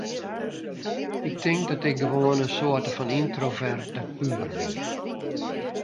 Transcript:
Ik tink dat ik gewoan in soarte fan yntroverte puber wie.